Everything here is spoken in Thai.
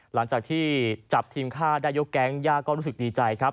หลังจากที่จับทีมฆ่าได้ยกแก๊งย่าก็รู้สึกดีใจครับ